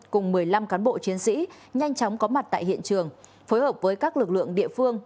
cùng một mươi năm cán bộ chiến sĩ nhanh chóng có mặt tại hiện trường phối hợp với các lực lượng địa phương